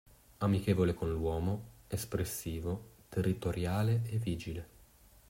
Amichevole con l'uomo, espressivo, territoriale e vigile.